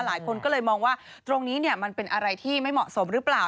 หลายคนก็เลยมองว่าตรงนี้มันเป็นอะไรที่ไม่เหมาะสมหรือเปล่า